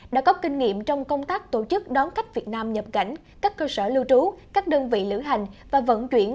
đã có kinh nghiệm trong công tác tổ chức đón khách việt nam nhập cảnh các cơ sở lưu trú các đơn vị lữ hành và vận chuyển